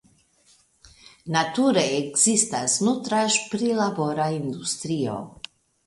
Nature ekzistas nutraĵprilabora industrio.